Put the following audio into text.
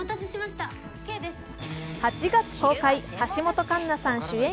８月公開、橋本環奈さん主演